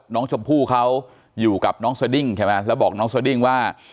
น้องชมพู่เขาอยู่กับน้องสดิ้งใช่ไหมแล้วบอกน้องสดิ้งว่า